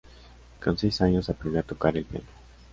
Con seis años aprendió a tocar el piano.